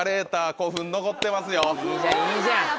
いいじゃんいいじゃん。